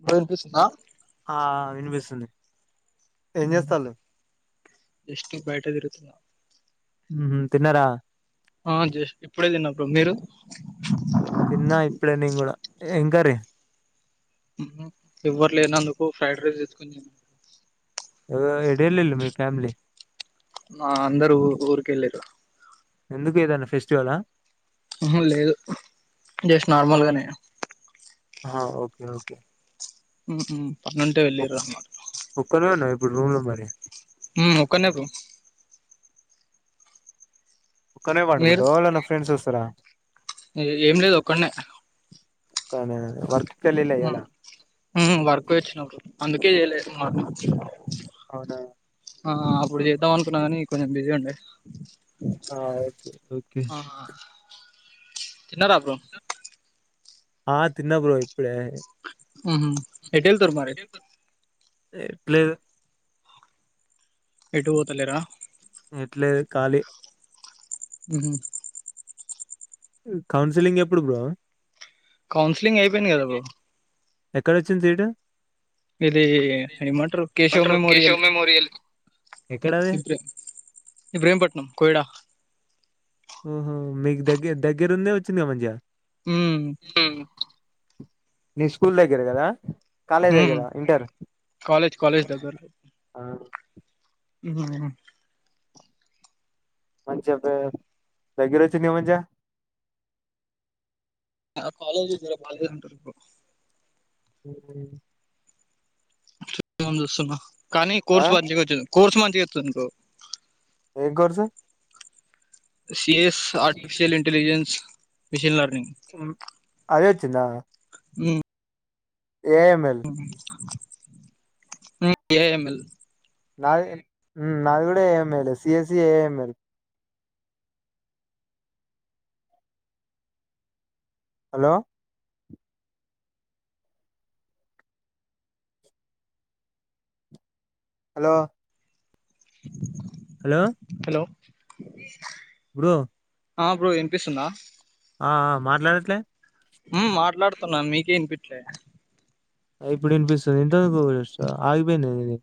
ఇప్పుడు వినిపిస్తుంది ఆ ఆ వినిపిస్తుంది ఏం చేస్తాళ్ళు హు [unintelligible] బయట తిరుగుతుందా ఉ తిన్నారా ఆ జష్ ఇప్పుడే తిన్న బ్రో మీరు తిన్నా ఇప్పుడి నేన్ కూడా ఉ ఎవ్వరు లేనందుకు ఫ్రైడ్ రైస్ తెచ్చుకుని తిన్న అ ఎటా ఎల్లిళ్ళు మీ ఫ్యామిలీ నా అందరరు ఉరికి వెళ్ళిర్రు ఎందుకు ఏదన్నా ఫెస్టివలా ఉహు లేదు జస్ట్ నార్మల్గానే ఆహా ఓకే ఓకే ఉ ఉ పనీ ఉంటే వెళ్లిరు అనమాట ఒక్కనే ఉన్నావ ఇప్పుడు రూమ్ లో మరి ఉ ఒక్కన్నే బ్రో ఒక్కని వే పండుకుంటాబా ఏవలన్నా ఫ్రెండ్స్ వస్తరా ఏ ఏం లేదు ఒక్కనే కాదే వర్క్ ఏమి ఇయలేదు కదా ఉహు వర్క్ వచ్చినప్పుడు అందుకే చేయలేదు మాకు అవునా ఆ అప్పుడు చేద్దాం అనుకున్నా కానీ కొంచెం బిజీ ఉండే ఆ ఓకే ఓకే ఆహా తిన్నారా బ్రో ఆ తిన్న బ్రో ఇప్పుడే ఉహు ఎటు ఎల్లుతురు మ ఏ లేదు ఎటు పోతలేరా ఇట్లే ఖాళీ ఉహు కౌన్సిలింగ్ ఎప్పుడు బ్రో కౌన్సిలింగ్ అయిపోయింది కదా బ్రో ఎక్కడ వచ్చింది సీటు ఇది ఏమాంటారు కేశవ్ ఏమంటారు మెమోరియల్ కేశవ్ మెమోరియల్ ఎక్కడది ఇబే ఇబ్రహీంపట్నం కోయిడా ఓహో మీకు దగ్గర దగ్గరుందే వచ్చింది కదా మంచిగా ఉమ్ నీ స్కూల్ దగ్గర కదా కాలేజ్ ఉమ్ దగ్గర ఇంటర్ కాలేజ్ కాలేజ్ ఉ మంచిగా దగ్గిర వచ్చింది కదా మంచిగా ఆ కాలేజ్ర దగ్గర బానే మంది ఉంటారు ఇప్పుడు ఉ చూస్తున్నా కానీ ఆ కోర్సు మంచిగా వచ్చింది కోర్సు మంచిగా వచ్చింది బ్రో ఏం course CAS artificial intelligence machine learning ఉమ్, అదే వచ్చిందా ఉమ్ ఏ ఎంఎల్ ఏ ఎంఎల్ నాది నాది కూడా ఏంలే సిఎస్సి ఏఎంలు hello hello hello hello bro ఆ బ్రో వినిపిస్తుందా ఆ ఆ మాట్లాడట్లే ఉమ్ మాట్లాడుతున్నాను మీకే వినిపిట్లే ఇప్పుడు వినిపిస్తుంది ఇంత ముందుకు ఆగిపోయింది ఏంది నీది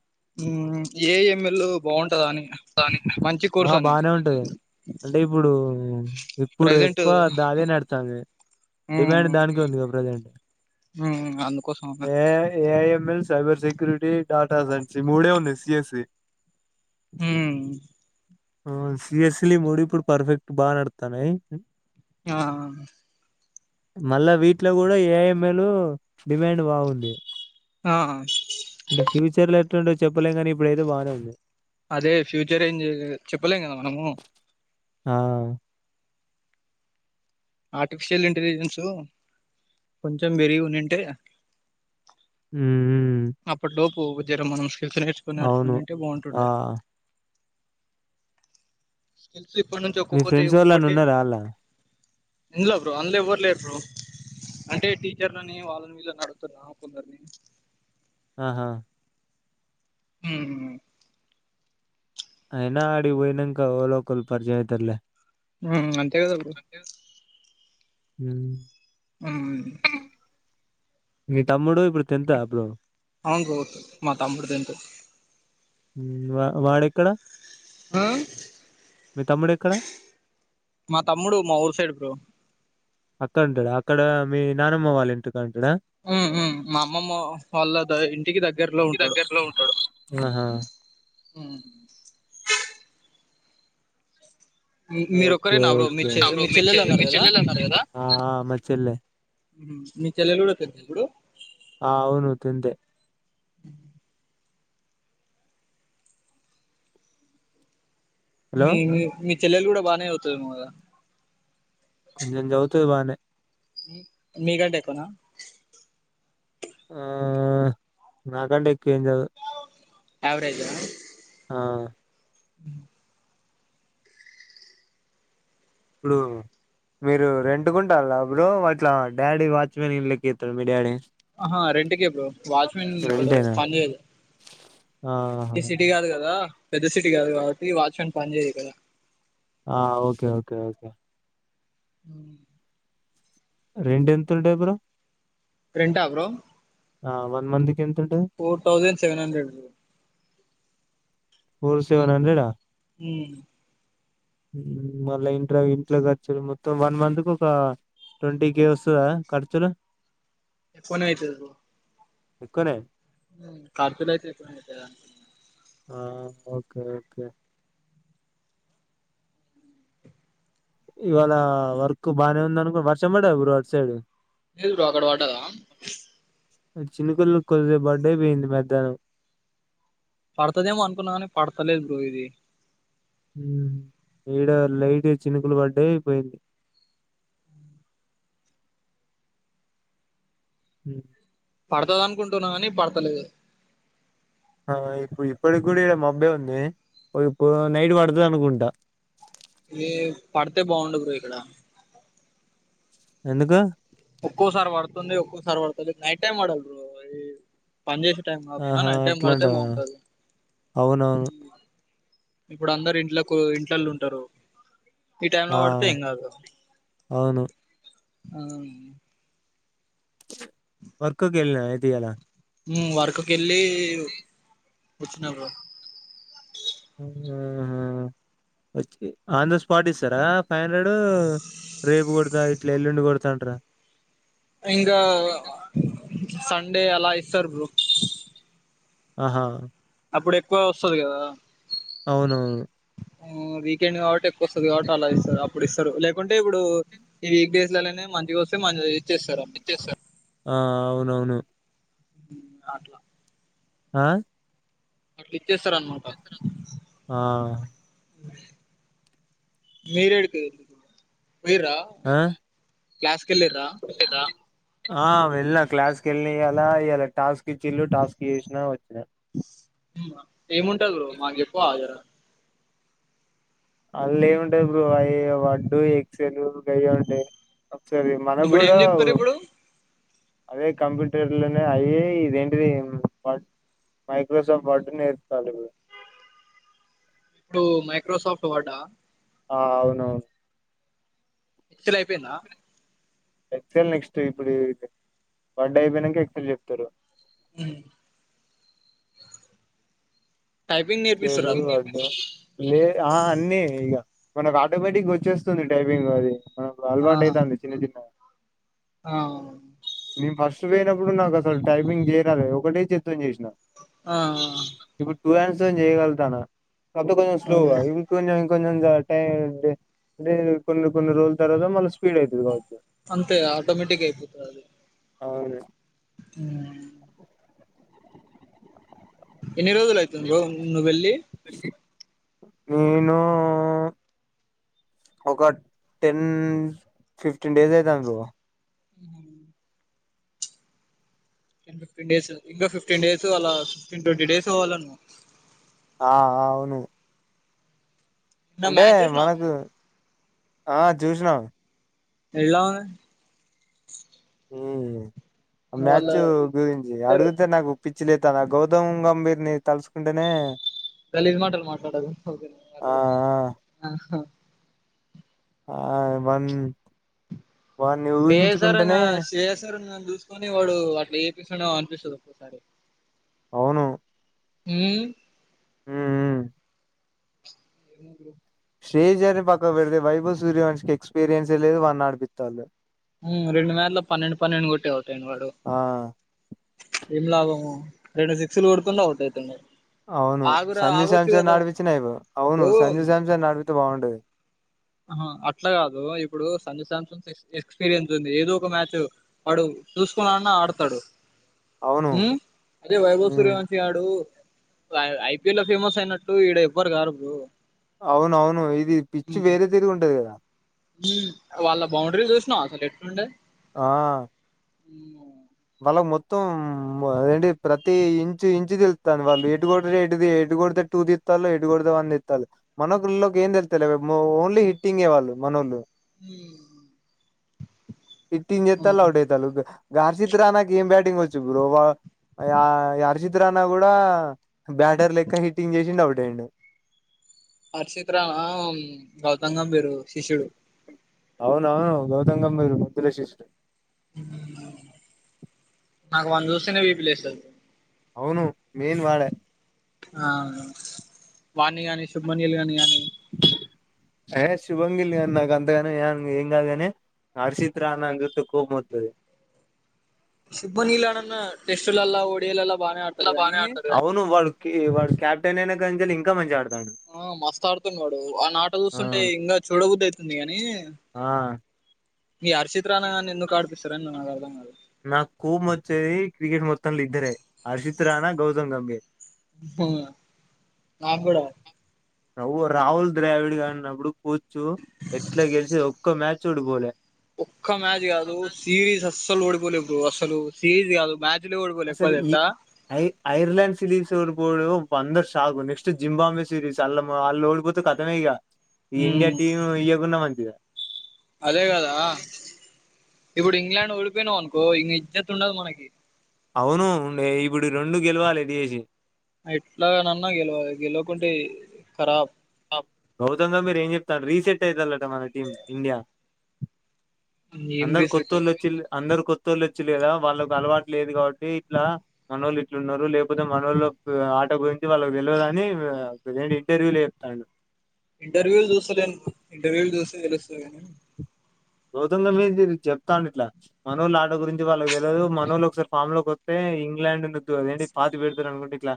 ఏఎంఎల్ బాగుంటదాని ఆ బానే ఉంటది అంటే ఇప్పుడు ఇప్పుడు ప్రజెంట్ ఎక్కువ అదే నడుతుంది ఉమ్ డిమాండ్ దానికే ఉందిగా ప్రజెంట్ ఉమ్ అందుకోసం A AIML cyber security data సెస్ ఈ మూడే ఉంది సిఎస్సి ఉమ్ సీఎస్ స్లీ ఈ మూడుప్పుడు పర్ఫెక్ట్ బాగా నడతాన్నాయి ఆ మళ్ళా వీటిలో కూడా ఏఎంఎలు డిమాండ్ బాగుంది ఆ అంటే ఫ్యూచర్ లో ఎట్లా ఉండో చెప్పలే కానీ ఇప్పుడైతే బాగానే ఉంది అదే ఫ్యూచర్ ఏం చెప్పలేం కదా మనము ఆ ఆర్టిఫిషియల్ ఇంటెలిజెన్సు కొంచెం పెరిగి ఉండుంటే ఆ అప్పటి లోపు జర మనం స్కిల్స్ నేర్చుకుని అవును అట్లుంటే ఆ బాగుంటుండే స్కిల్స్ ఇప్పటి నుంచి మీ ఒక్కొక్కటి ఫ్రెండ్స్ వాళ్ళని ఒక్కొక్కటి ఉన్నారా అళ్ళ ఇందులో బ్రో అందులో ఎవ్వరు లేరు బ్రో అంటే టీచర్లని వాళ్ళని వీళ్ళని అడుగుతున్నా కొందరిని ఆహా హ అయినా ఆడి పోయినంకా ఓలోకల్ పరిచయ అయితర్లే హ్మ్ అంతే కదా బ్రో ఉ ఊ మీ తమ్ముడు ఇప్పుడు తెంత అప్పుడు అవును మా తమ్ముడుదం వా వాడెక్కడ మీ తమ్ముడు ఎక్కడ మా తమ్ముడు మా ఊరు సైడ్ బ్రో అక్కడంటడా అక్కడ మీ నానమ్మ వాళ్ళు ఇంటికాడన ఉ ఉ మా అమ్మమ్మ వాళ్ళ ద ఇంటికి దగ్ దగ్గరలో ఇంటి ఉంటాడు దగ్గరలో ఉంటాడు ఆహా ఓకే మీరొక్కరేనా బ్రో మీ ఓకే చె మీ చెల్లెలు అన్నారు కదా ఆ మచ్చెల్ మీ చెల్లెలు కూడా పెద్ద ఇప్పుడు ఆవును తెంతే హలో మీ మీ మీ చెల్లెలు కూడా బానే అవుతది నే చదువుతది బానే మీ కంటే ఎక్కువనా ఆ నాకంటే ఎక్కువ ఏం యావరేజా ఆ అ ఇప్పుడు మీరు రెంటుకుంటారు బ్రో అట్లా డాడీ వాచ్మెన్ ఇళ్ళలెక్కి ఇత్తడు మీ డాడీ ఆహా రెంట్ కే బ్రో వాచ్మెన్ ఇక్కడు రెంటేనా పనిజేయదు ఆహా ఈ సిటీ కాదు కదా పెద్ద సిటీ కాదు కాబట్టి వాచ్ మెన్ పనిజేయది కదా ఆ ఓకే ఓకే అ రెండు ఎంతులు ఎబ రెంటా బ్రో ఆ వన్ మంత్కి ఎంతండు four thousand seven hundred four seven హండ్రెడా హ మళ్ళా ఇంట్ ఇంట్లో ఖర్చులు మొత్తం వన్ మంత్ కు ఒక ట్వంటీ కే వస్తదా ఖర్చులు ఫోన్ ఏతూ ఎక్కనే ఖర్చులయితయ్ ఆ ఓకే ఓకే ఇవాళ వర్క్ బానే ఉంది అనుకో వర్షం బడదా అటు సైడు లేదు బ్రో అక్కడ పడ్డదా చిన్న కుళ్ల కొద్ది బర్డయింది మధ్యాహ్నం పడతదేమో అనుకున్నా కానీ పడతలేదు బ్రో ఇది ఈడ లైట్గా చినుకులు పడ్డయి పోయింది. హ్ పడతది అనుకుంటున్నా కాని పడతలేదు. ఆ ఇప్పుడు ఇప్పటి కూడా ఇడ మబ్బే ఉంది, ఇప్పుడు నైట్ పడుతది అనుకుంటా. ఎ పడితే బాగుండు బ్రో ఇక్కడ. ఎందుకు? ఒక్కోసారి పడుతుంది, ఒక్కోసారి పడుతది లేదు. నైట్ టైం పడాలి బ్రో ఈ పని చేసే టైం కాకుండా ఆహా నైట్ టైం పడితే అట్లాంటవా బాగుంటది. అవునవును ఇప్పుడు అందరు ఇంట్లకు ఇంట్లళ్ళ ఉంటరు. ఈ టైమ్ల ఆ పడితే ఎం కాదు. అవును వర్కకి ఎళ్ళ లేదా అయితే ఇయాలా. హ్మ్ వర్కుకు వెళ్ళి వచ్చినా బ్రో. వచ్చి ఆన్ ద స్పాట్ ఇస్తరా. ఫైవ్ హండ్రెడ్ రేపు కొడతా ఇట్లా ఎల్లుండి కొడతా అంటరా. ఇంగా సండే అలా ఇస్తరు బ్రో. ఆహా అప్పుడు ఎక్కువ వస్తది కదా. అవునవును. వీకెండ్ కాబట్టి ఎక్కువ వస్తది కాబట్టి అలా ఇస్తరు అప్పుడు ఇస్తరు లేకుంటే ఇప్పుడు ఈ వీక్డేస్లల్లనే మని వస్తే మని ఇచ్చేస్తరు ఆ అవునవును. అట్లా. ఆ అట్లిచ్చేస్తరు అన్నమాట. ఆ మీరేడికి పోయింర్రా. ఆ [inaudible] ఆ వెళ్ళినా క్లాస్కి ఎళ్నా ఇయాలా ఇలా టాస్క్ ఇచ్చిల్లు టాస్క్ చేసిన వచ్చినా. ఏముంటది బ్రో మాకు చెప్పవా జర. అళ్ళేం ఉంటది బ్రో అయ్యే వర్డు, ఎక్సలు గయ్యే ఉంటయి. అప్సైడ్వి మనకు ఇప్పుడు ఏం కూడా చెప్తారు ఇప్పుడు అదే కంప్యూటర్లనే అయే ఇదేంటిది వ మైక్రోసాఫ్ట్ వర్డ్ నేర్పుతాళ్ళు ఇప్పుడు. ఇప్పుడు మైక్రోసాఫ్ట్ వర్డా? ఆ అవునవును. ఎక్సెల్ అయిపోయిందా. ఎక్సల్ నెక్స్ట్ ఇప్పుడు వర్డ్ అయిపోయినంకా ఎక్సెల్ చెప్తరు. హ్ టైపింగ్ మెసేజ్ నేర్పిస్తుర్రు ఆళ్ళు. వద్దు లే ఆ అన్నీ ఇగ మనకు ఆటోమేటిక్గా వచ్చేస్తుంది టైపింగ్ అది. దాంట్ల అలవాటు ఆహా అయితాంది చిన్న చిన్నగా. ఆ నేను ఫస్ట్ పోయినప్పుడు నాకు అసలు టైపింగ్ చేయరాలేదు ఒకటే చేత్తోని చేసిన. ఆ ఆ ఇప్పుడు టూ హ్యాండ్స్ తోని చేయగలుగుతన్నా కాకపోతే కొంచెం స్లోగా అవును ఇప్పుడు కొంచెం కొంచంగా టై [inaudible] కొన్ని కొన్ని రోజుల తర్వాత మళ్ళ స్పీడ్ అయితది కావచ్చు. అంతేగ ఆటోమేటిక్ అయిపోతది అల్లా అవును ఆ ఎన్ని రోజులు అవుతుంది బ్రో నువ్వు వెళ్లి నేను ఒక టెన్ ఫిఫ్టీన్ డేస్ అయితది బ్రో టెన్ ఫిఫటీన్ డేస్ంకా ఫిఫటీన్ డేస్ అలా ఫిఫటీన్ ట్వంట డేస్ అవాలను ఆ ఆ అవును నిన్న అంటే మ్యాచ్ చూసినా మనకు ఆ చూసినాం ఎలా ఉన్ ఆ వాళ్ళ మ్యాచ్ గురించి ఇద్దరు అడుగితే నాకు పిచ్చి లేతది గౌతమ్ గంభీర్ని తలుసుకుంటేనే గలీజ్ మాటలు మాట్లాడకు ఓకే అప్ ఆ ల్లో ఆ ఆ వన్ వాన్ని వేసర ఊహించుకుంటేనే చేసర చూసుకొని వాడు అట్లా ఏపిస్తు అనిపిస్తుంది ఒక్కోసారి అవును ఉమ్మ్ మ్మ్ ఉ స్టేజ అని పక్క పెడితే వైభవ్ సూర్యవంశి ఎక్స్పీరియన్స్ ఏ లేదు వాని అడిపిస్తళ్ రెండు వేల పన్నెండు పన్నెండు కొట్టే అవుతాడి వాడు ఆ ఏం లాభము రెండు సిక్స్లు కొడుతుండు అవుట్ అవుతుండు అవును సంజు శాంసంగ్ నడిపిచ్చినా అవును ఇప్పుడు సంజు శాంసంగ్ నడిపితే బాగుండది ఆహ అట్లా కాదు ఇప్పుడు సంజయ్ సాసన్ ఎక్స్పీరియన్స్ ఉంది ఏదో ఒక మ్యాచ్ వాడు చూసుకున్నాన్నా ఆడతాడు అవును అదే వైభవ మ్మ్ సూర్యవంశసి ఆడు ఐపీఎల్ లో ఫేమస్ అయినట్టు ఈడ ఇవ్వరు గారు బ్రో అవునవును ఇది పిచ్చి ఉమ్ వేరే తిరిగి ఉంటది కదా వాళ్ళ బౌండరీ చూసినావ అసలు ఎట్లుండే ఆ వాళ్ళ మొత్తం అదంటి ప్రతి ఇంచు ఇంచు తెలుస్తాదీ వాళ్ళు ఎటు కొడితే ఎది ఎటు కొడితే టటు ఇత్తల్ హిడుగుడదవ్ అంది ఇత్తా మనలోకి ఏంద తెతా ఓన్లీ హిటింగ్ వాళ్ళు మనళలు హ ఇట్టిన్ చెస్తా అట్ అవుతాలు గార్షిత్ రానాక ఏం బ్యాటింగ్ వచ్చు బ్రో రు చిత్ర అనా కూడా బ్యాటరీ లెక్క హిట్టింగ్ చేసిండ అవుటైడూ అర్షిత్రాల గౌతమ్ గంబీర్ శిష్యుడు అవున అవును గౌతమ్ గంబీర్ ముద్దుల శిశుడు నాకు వాని చూస్తేనే విపి లేస్తది అవును మెయిన్ వాడే ఆ వాణ కాగాని శుభమణ్యలు కాని కాగానీ ఏయ శుభంగిల్ అ నాగ అంతా ఏం కాదు కానీ హర్షిత్ రానా జూతే కోమతది శుబ్బని ఇల్ నన్న టెస్ట్ల డియల బా అవును వాడు వా క్యాప్టెన్ అయినా కని ఇంకా మంచిగా ఆడతాడు ఆ మస్త ఆడుతున్నవాడు వని ఆట ఆ చూస్తుంటే ఇంకా చూడబుద్దు అవుతుంది గాని ఆ మీ అర్చిత్ర రానాని ఎందుకు ఆడిపిస్తారే న నా అర్థం కాదు నాకు కోబ్ వచ్చేది క్రికెట్ మొత్తం ఇద్దరే అర్షిత్ రాణా గౌతమ్ గంబే నా కూడా [unintelligible] రాహుల్ ద్రావిడ్ కాన్నప్పుడు కూర్చు ఎట్లా గెలిచ ఒక్క మ్యాచ్ ఓడిపోలే ఒక్క మ్యాచ్ కాదు సిరీస్ అస్సలు ఓడిపోలేదు బ్రో అసలు సిరీస్ కాదు మ్యాచ్. అసలు ఈ ఐ ఐర్లండ్ సిరీస్ ఓడ్బోడు అందరు షాక్ నెక్స్ట్ జింబాబే సిరీస్ అల్ అలా ఓడి కథమే ఇక ఈ ఇండియా ఉమ్ టీమ్ ఇయకున్నా మంచిద అదే కదా ఇప్పుడు ఇంగ్లాండ్ ఓడిపోయినాం అనుకో ఇంక ఇజ్జత్ ఉండదు మనకి అవును ఉండే ఇప్పుడు రెండు గెలవాలి ఎటు చేసి ఎట్లానన్నా గెలవాల గెలవకుంటే కరాబ్ గౌతమ్ గ మీరు ఏం చెప్తారు రీసెట్ అయితట మన టీం ఇండియా ఏం అందరు రీసెట్ కోత్తోల్ వచిల్లు అందరు కొత్త తోలిచి లేరా వాళ్ళకి అలవాటు లేదు కాబట్టి ఇట్లా మనోల్ ఇట్లున్నారు లేకపోతే మనో లో ఆటో గురించి వాళ్ళకి తెలియదు అని ఏంటి ఇంటర్వ్యూ లే తాండూ ఇంటర్వ్యూలు చూస్తలేను ఇంటర్వ్యూలు చూస్తే తెలుస్తాద్ కానీ గౌతంగా మీరు చెప్తాండ్ ఇట్లా మనోళ్ ఆట గురించి వాళ్ళకి తెలియదు మనోలు ఒకసారి ఫామ్ లోకి వస్తే ఇంగ్లాండ్ [unintelligible] అదేంటి పాతి పెడతారు అనుకుంటే ఇట్లా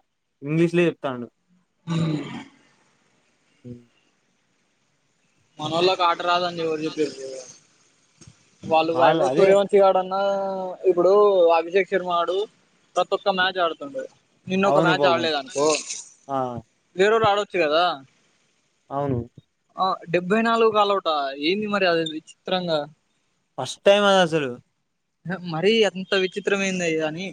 ఇంగ్లీష్లో చెప్తాండూ హ్మ్ హ్మ్ మనళ్ళకి ఆట రాదనీ ఎవరు చెప్పారు వాళ్ళు [unintelligible] మంచి వాడన్నా ఇప్పుడు అభిజేక్ శర్మ ఆడు ప్రతి ఒక్క మ్యాచ్ ఆడుతుండు నిన్న ఒక అవును మ్యాచ్ పాపం ఆడలేద్ అనుకో ఆ వేరేడ్ ఆడచ్చు కదా అవును ఆ డెబ్బై నాలుగు కలవట ఏంది మరి అది విచిత్రంగా ఫస్ట్ టైం అది అసలు మరీ అంత విచిత్రమేయాంది కానీ